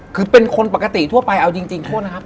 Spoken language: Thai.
คือเป็นคนปกติทั่วไปเอาจริงโทษนะครับ